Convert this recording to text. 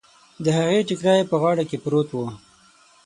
د هغې ټکری په غاړه کې پروت و.